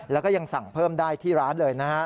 แล้วก็ยังสั่งเพิ่มได้ที่ร้านเลยนะฮะ